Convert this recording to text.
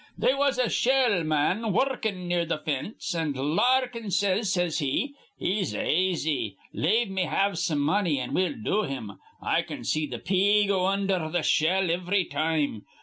They was a shell ma an wurrukin' near th' fence, an' Larkin says, says he: 'He's aisy. Lave me have some money, an' we'll do him. I can see th' pea go undher th' shell ivry time.'